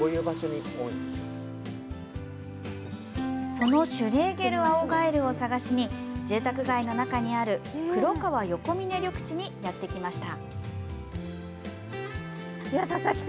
そのシュレーゲルアオガエルを探しに住宅街の中にある黒川よこみね緑地にやってきました。